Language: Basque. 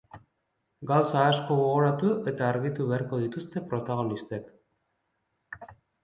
Gauza asko gogoratu eta argitu beharko dituzte protagonistek.